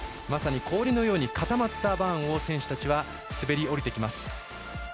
まさに氷のように固まったバーンを選手たちは滑り降りていきます。